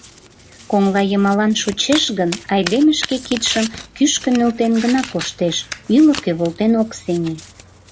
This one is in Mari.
Коҥлайымалан шочеш гын, айдеме шке кидшым кӱшкӧ нӧлтен гына коштеш, ӱлыкӧ волтен ок сеҥе.